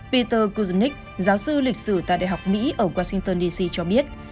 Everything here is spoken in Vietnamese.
peter kuzenik giáo sư lịch sử tại đại học mỹ ở washington dc cho biết